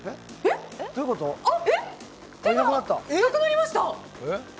手がなくなりました。